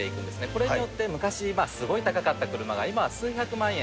これによって昔、すごい高かった車が、今は数百万円。